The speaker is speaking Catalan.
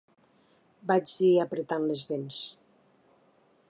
Vaig dir, apretant les dents.